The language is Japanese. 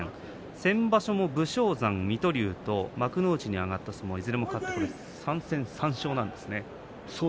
先場所も武将山と水戸龍と幕内に上がった相撲いずれも勝って３戦３勝なんですね。